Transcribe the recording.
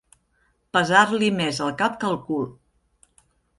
Pesar-li més el cap que el cul.